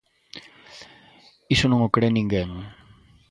Iso non o cre ninguén.